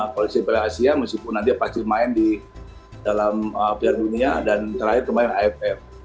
polisi pelas kaya meskipun nanti pasti main di dalam pr dunia dan terakhir kemarin afm